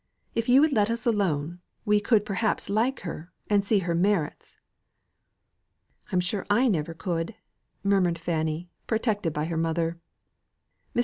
If you would let us alone, we could perhaps like her, and see her merits." "I'm sure I never could!" murmured Fanny, protected by her mother. Mr.